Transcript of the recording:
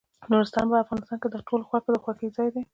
نورستان په افغانستان کې د ټولو خلکو د خوښې ځای دی.